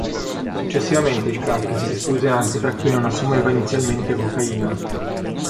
Successivamente il crack si diffuse anche tra chi non assumeva inizialmente cocaina.